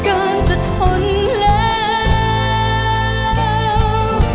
การจะทนแล้ว